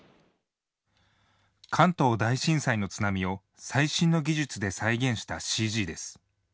関東大震災の津波を最新の技術で再現したＣＧです。